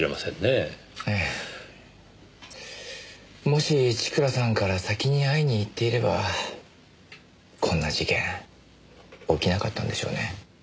もし千倉さんから先に会いにいっていればこんな事件起きなかったんでしょうね。